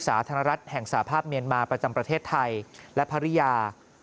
สาธารณรัฐแห่งสาภาพเมียนมาประจำประเทศไทยและภรรยา